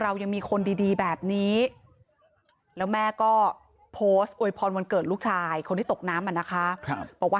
เรายังมีคนดีแบบนี้แล้วแม่ก็โพสต์อวยพรวันเกิดลูกชายคนที่ตกน้ำอ่ะนะคะบอกว่า